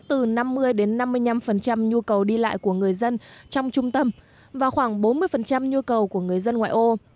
từ năm mươi năm mươi năm nhu cầu đi lại của người dân trong trung tâm và khoảng bốn mươi nhu cầu của người dân ngoại ô